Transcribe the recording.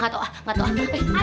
ikut ya bu endang